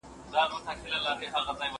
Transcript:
هغه زر زر جملې خو پاته سوې!